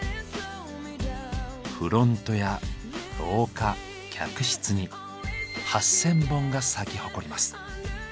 フロントや廊下客室に８０００本が咲き誇ります。